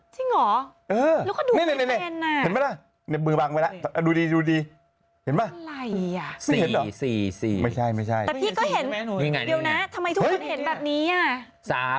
จริงเหรอแล้วก็ดูไม่เป็นนะ